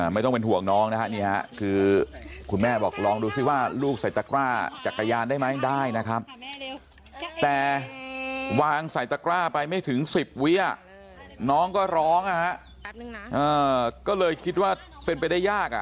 ไม่ต้องเป็นห่วงน้องนะฮะนี่ฮะคือคุณแม่บอกลองดูซิว่าลูกใส่ตะกร้าจักรยานได้ไหมได้นะครับแต่วางใส่ตะกร้าไปไม่ถึง๑๐วิน้องก็ร้องก็เลยคิดว่าเป็นไปได้ยาก